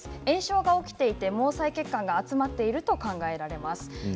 炎症が起きていて毛細血管が集まっていると考えられます。